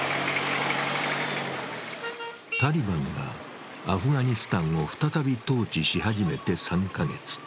タリバンがアフガニスタンを再び統治し始めて３か月。